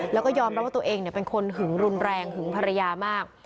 แล้วก็ยอมรับว่าตัวเองเป็นคนหึงรุนแรงหึงภรรยามาก